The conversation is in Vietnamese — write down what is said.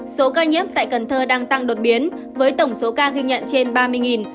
số ca nhiễm tại cần thơ đang tăng đột biến với tổng số ca ghi nhận trên ba mươi